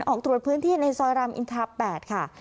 ออกตรวจพื้นที่ในซอยรามอินทรา๘ค่ะ